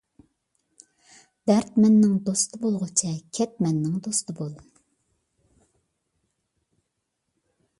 دەردمەننىڭ دوستى بولغۇچە، كەتمەننىڭ دوستى بول.